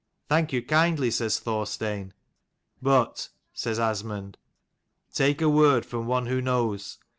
" Thank you kindly," says Thorstein. "But," says Asmund, "take a word from one who knows.